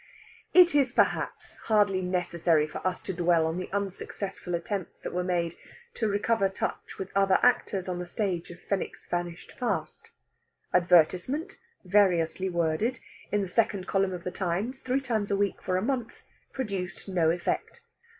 It is perhaps hardly necessary for us to dwell on the unsuccessful attempts that were made to recover touch with other actors on the stage of Fenwick's vanished past. Advertisement variously worded in the second column of the "Times," three times a week for a month, produced no effect.